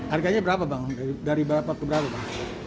harganya berapa bang dari berapa ke berapa bang